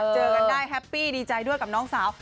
เจอกันได้แฮปปี้ดีใจด้วยกับน้องสาว